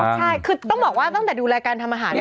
ใช่คือต้องบอกว่าตั้งแต่ดูแลการทำอาหาร